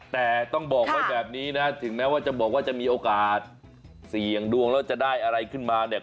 แต่ต้องบอกไว้แบบนี้นะถึงแม้ว่าจะบอกว่าจะมีโอกาสเสี่ยงดวงแล้วจะได้อะไรขึ้นมาเนี่ย